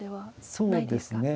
そうですね。